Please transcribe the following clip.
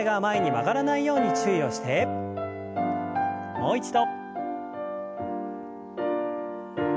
もう一度。